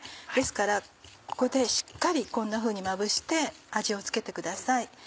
ですからここでしっかりこんなふうにまぶして味をつけてください。